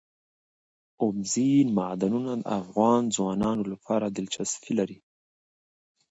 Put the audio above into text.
اوبزین معدنونه د افغان ځوانانو لپاره دلچسپي لري.